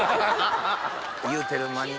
言うてる間に。